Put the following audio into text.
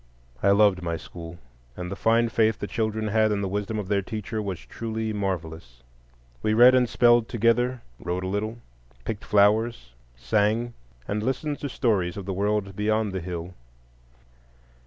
I loved my school, and the fine faith the children had in the wisdom of their teacher was truly marvellous. We read and spelled together, wrote a little, picked flowers, sang, and listened to stories of the world beyond the hill.